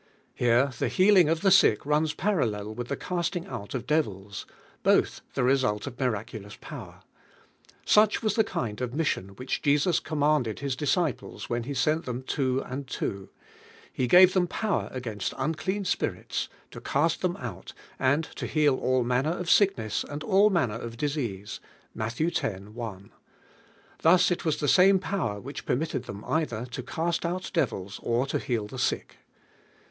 Here the healing of the sick runs parallel with the casting out of devils: both the result of miraculous power. Such was the kind of mission which Jesus commanded His disciples when lie sent them two and two: "He gave them power against unclean spirits, lo east them out, and to heal all manner of sick ness and all manner of disease" (Matt. x. 1). Thus it was the same power which permitted them either to cast out devils or to heal the sick.